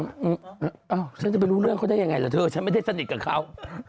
เอ้าฉันจะไปรู้เรื่องเขาได้ยังไงเหรอเธอฉันไม่ได้สนิทกับเขา